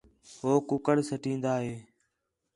ہو کُکڑ سٹین٘دا ہے